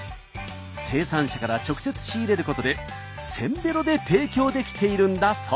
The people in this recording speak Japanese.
生産者から直接仕入れることでせんべろで提供できているんだそう。